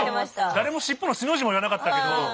誰も尻尾の「し」の字も言わなかったけど。